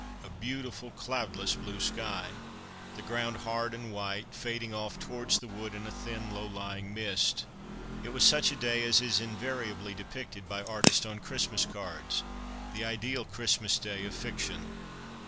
A beautiful, cloudless blue sky. The ground hard and white, fading off towards the wood in a thin low lying mist. It was such a day as is invariably depicted by artists on Christmas cards the ideal Christmas Day of fiction.